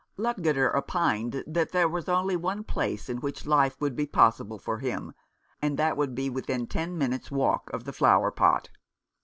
Ludgater opined that there was only one place in which life would be possible for him, and that would be within ten minutes' walk of the Flower pot.